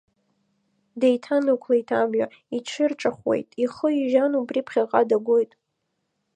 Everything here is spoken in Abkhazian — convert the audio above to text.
Деиҭанықәлеит амҩа, иҽирҿахуеит, ихы ижьан убри ԥхьаҟа дагоит.